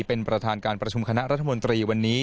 เป็นประธานการประชุมคณะรัฐมนตรีวันนี้